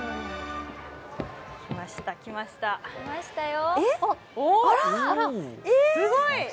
来ましたよ。